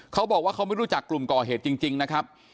เขาบอกว่าเขาไม่รู้จักกลุ่มก่อเหตุจริงนะครับ